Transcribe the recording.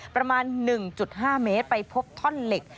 ประมาณ๑๕เมตรไปพบท่อนเหล็ก